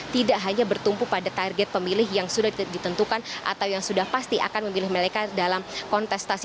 tidak hanya bertumpu pada target pemilih yang sudah ditentukan atau yang sudah pasti akan memilih mereka dalam kontestasi